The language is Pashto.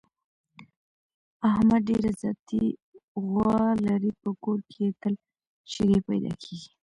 احمد ډېره ذاتي غوا لري، په کور کې یې تل شیدې پیدا کېږي.